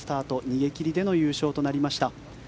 逃げ切りでの優勝となりました。